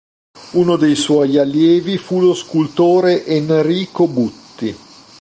Uno dei suoi allievi fu lo scultore Enrico Butti.